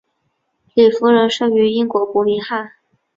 李福仁生于英国伯明翰。